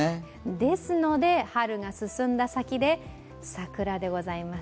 ですので、春が進んだ先で桜でございます。